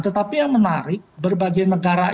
tetapi yang menarik berbagai negara